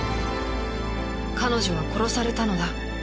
彼女は殺されたのだ